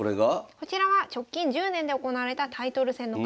こちらは直近１０年で行われたタイトル戦の獲得者となります。